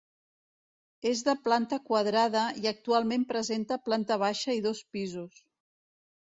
És de planta quadrada i actualment presenta planta baixa i dos pisos.